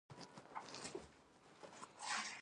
دغه توکي زموږ د تاریخ لرغونتیا ثابتوي.